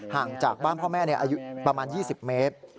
ห่างจากบ้านพ่อแม่อายุประมาณ๒๐เมตร